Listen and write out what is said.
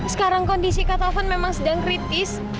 sekarang kondisi kak taufan memang sedang kritis